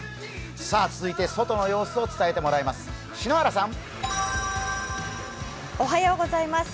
続いて、外の様子を伝えてもらいます。